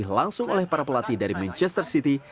dipilih langsung oleh para pelatih dari manchester city